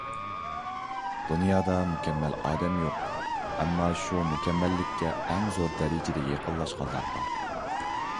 دۇنيادا مۇكەممەل ئادەم يوق، ئەمما شۇ مۇكەممەللىككە ئەڭ زور دەرىجىدە يېقىنلاشقانلار بار.